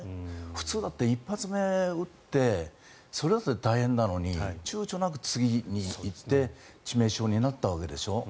普通だって１発目撃ってそれだって大変なのに躊躇なく次に行って致命傷になったわけでしょう。